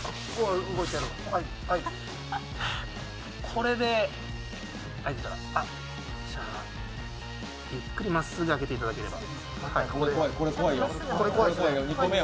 これで開けたらゆっくりまっすぐ開けていただければ。